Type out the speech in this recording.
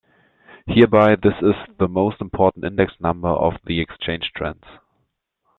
Hereby this is the most important index number of the exchange trends.